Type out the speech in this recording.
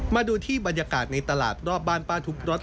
มาดูที่บรรยากาศในตลาดรอบบ้านป้าทุบรถ